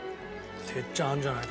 哲ちゃんあるんじゃない？